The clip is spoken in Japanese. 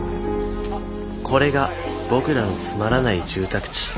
これが僕らのつまらない住宅地。